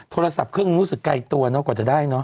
โทรศัพท์เครื่องรู้สึกไกลตัวเนาะกว่าจะได้เนอ